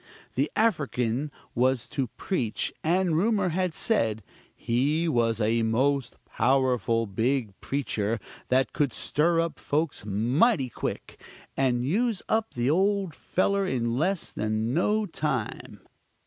The African was to preach; and rumor had said, "he was a most powerful big preacher, that could stir up folks mighty quick, and use up the ole feller in less than no time."